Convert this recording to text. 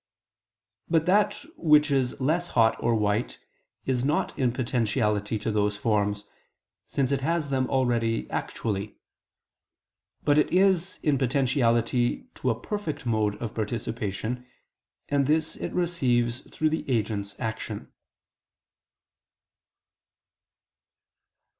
But that which is less hot or white, is not in potentiality to those forms, since it has them already actually: but it is in potentiality to a perfect mode of participation; and this it receives through the agent's action.